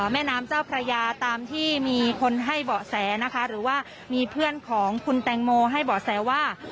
แม่น้ำเจ้าพระยาตามที่มีคนให้เบาะแสนะคะหรือว่ามีเพื่อนของคุณแตงโมให้เบาะแสว่า